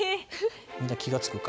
みんな気が付くか。